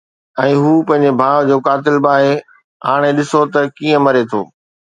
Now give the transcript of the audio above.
۽ هو پنهنجي ڀاءُ جو قاتل به آهي. هاڻي ڏسون ته ڪيئن مري ٿو.